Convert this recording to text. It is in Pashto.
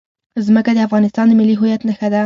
ځمکه د افغانستان د ملي هویت نښه ده.